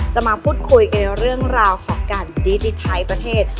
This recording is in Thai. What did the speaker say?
มาพูดคุยกับเรื่องราวของการดิติไทยประเทศ